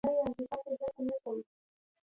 د الله ج په بندګانو د الله تعالی د احکام تطبیقول.